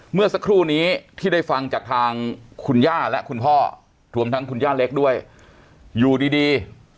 เมื่อสักครู่นี้ที่ได้ฟังจากทางคุณย่าและคุณพ่อรวมทั้งคุณย่าเล็กด้วยอยู่ดีดี